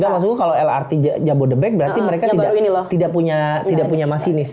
nggak maksud gue kalau lrt jabodebek berarti mereka tidak punya masinis